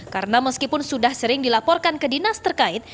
karena meskipun sudah sering dilaporkan ke dinas terkait